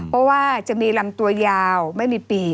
เพราะว่าจะมีลำตัวยาวไม่มีปีก